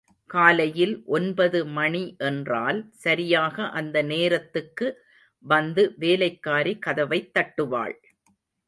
காலையில் ஒன்பது மணி என்றால் சரியாக அந்த நேரத்துக்கு வந்து வேலைக்காரி கதவைத் தட்டுவாள்.